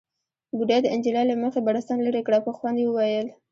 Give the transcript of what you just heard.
بوډۍ د نجلۍ له مخې بړستن ليرې کړه، په خوند يې وويل: